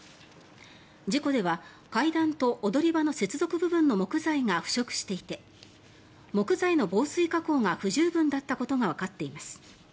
事故では階段と踊り場の接続部分の木材が腐食していて木材の防水加工が不十分だったことがわかっています。